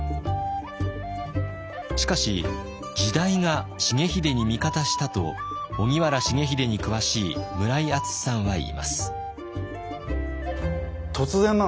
しかし時代が重秀に味方したと荻原重秀に詳しい村井淳志さんは言います。